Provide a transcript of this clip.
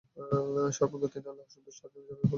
সর্বাঙ্গ দিয়ে তিনি আল্লাহর সন্তুষ্টি অর্জনে ঝাঁপিয়ে পড়লেন।